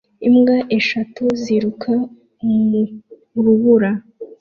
Imbwa eshatu ziruka mu rubura